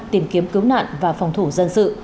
tìm kiếm cứu nạn và phòng thủ dân sự